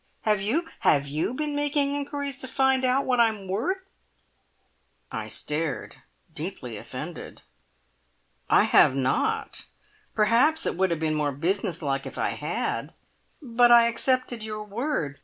Have you have you been making inquiries to find out what I am worth?" I stared, deeply offended. "I have not. Perhaps it would have been more business like if I had, but I accepted your word.